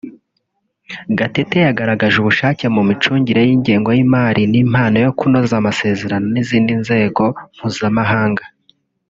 Gatete yagaragaje ubushake mu micungire y’ingengo y’imari n’impano yo kunoza amasezerano n’izindi nzego mpuzamahanga